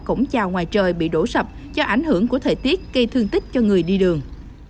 cổng chào ngoài trời bị đổ sập do ảnh hưởng của thời tiết gây thương tích cho người đi đường